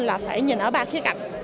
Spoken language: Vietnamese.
là phải nhìn ở ba khía cạnh